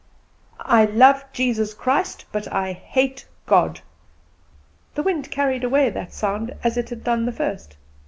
"I love Jesus Christ, but I hate God." The wind carried away that sound as it had done the first.